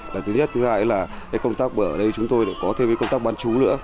và thứ nhất thứ hai là công tác ở đây chúng tôi có thêm công tác bán chú nữa